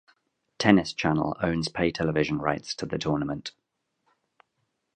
Tennis Channel owns pay television rights to the tournament.